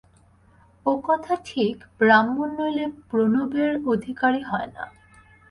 ও-কথা ঠিক, ব্রাহ্মণ নইলে প্রণবের অধিকারী হয় না।